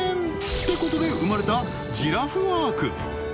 てことで生まれたジラフワーク